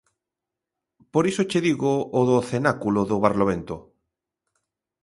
Por iso che digo o do cenáculo do Barlovento.